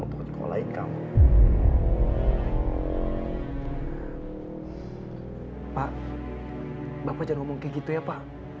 untuk mengolah kamu pak bapak jangan ngomong kayak gitu ya